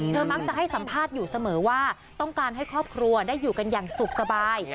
มักจะให้สัมภาษณ์อยู่เสมอว่าต้องการให้ครอบครัวได้อยู่กันอย่างสุขสบาย